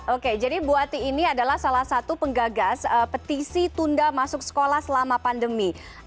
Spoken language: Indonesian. oke jadi buati ini adalah salah satu penggagas petisi tunda masuk sekolah selama pandemi